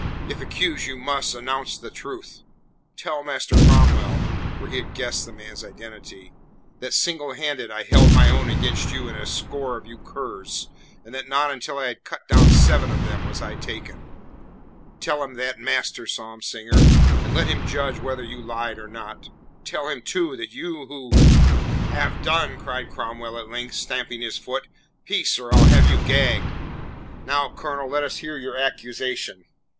"If accuse you must, announce the truth. Tell Master Cromwell" for he had guessed the man's identity "that single handed I held my own against you and a score of you curs, and that not until I had cut down seven of them was I taken. Tell him that, master psalm singer, and let him judge whether you lied or not. Tell him, too, that you, who " "Have done!" cried Cromwell at length, stamping his foot. "Peace, or I'll have you gagged. Now, Colonel, let us hear your accusation."